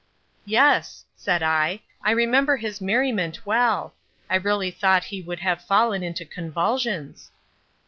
"Yes," said I, "I remember his merriment well. I really thought he would have fallen into convulsions."